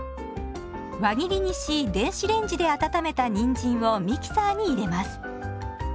輪切りにし電子レンジで温めたにんじんをミキサーに入れます。